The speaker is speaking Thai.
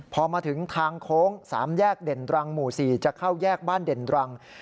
พอมาถึงทางโค้ง๓แยกเด่นรังหมู่๔จะเข้าแยกบ้านเด่นรัง